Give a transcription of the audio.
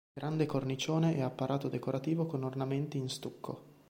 Grande cornicione e apparato decorativo con ornamenti in stucco.